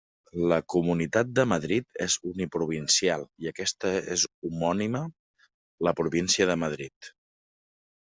La Comunitat de Madrid és uniprovincial i aquesta és homònima, la província de Madrid.